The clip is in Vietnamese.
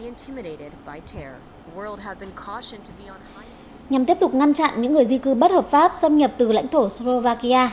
nhằm tiếp tục ngăn chặn những người di cư bất hợp pháp xâm nhập từ lãnh thổ slovakia